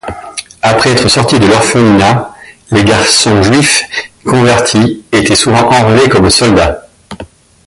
Après être sorti de l'orphelinat, les garçons juifs convertis étaient souvent enrôlés comme soldats.